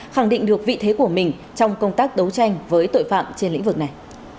khẳng định được vị thế của mình trong công tác đấu tranh với tội phạm trên lĩnh vực này